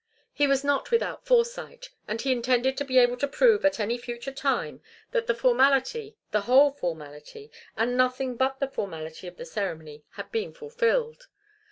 He was not without foresight, and he intended to be able to prove at any future time that the formality, the whole formality, and nothing but the formality of the ceremony had been fulfilled.